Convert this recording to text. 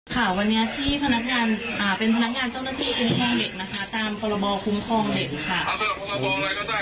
ค่ะวันนี้ที่พนักงานเป็นพนักงานเจ้าหน้าที่คุ้มครองเด็กนะคะตามพรบคุ้มครองเด็กค่ะ